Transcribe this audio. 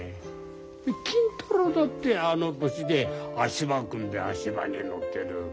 金太郎だってあの年で足場を組んで足場に乗ってる。